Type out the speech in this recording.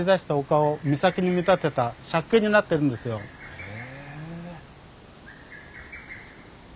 へえ。